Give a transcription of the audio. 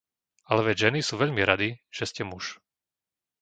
Ale veď ženy sú veľmi rady, že ste muž!